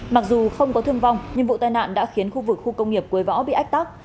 mặc dù không có thương vong nhưng vụ tai nạn đã khiến khu vực khu công nghiệp quế võ bị ách tắc